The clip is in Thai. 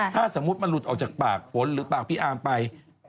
ถ้าสมมุติมันหลุดออกจากปากฝนหรือปากพี่อาร์มไป